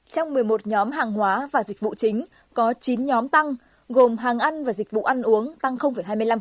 trong một mươi một nhóm hàng hóa và dịch vụ chính có chín nhóm tăng gồm hàng ăn và dịch vụ ăn uống tăng hai mươi năm